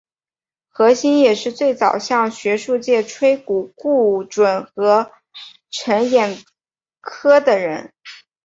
何新也是最早向学术界鼓吹顾准和陈寅恪的人。